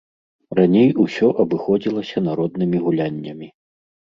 Раней усё абыходзілася народнымі гуляннямі.